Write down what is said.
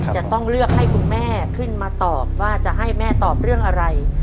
จะต้องเลือกให้คุณแม่ขึ้นมาตอบว่าจะให้แม่ตอบเรื่องอะไร